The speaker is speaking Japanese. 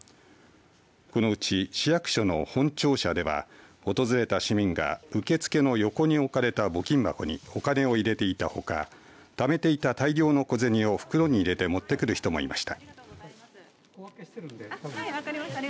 このうち市役所の本庁舎では訪れた市民が受け付けの横に置かれた募金箱にお金を入れていたほかためていた大量の小銭を袋に入れて持ってくる人もいました。